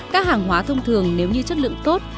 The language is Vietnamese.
các hàng hóa thông thường nếu như chất lượng tốt